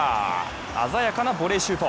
鮮やかなボレーシュート。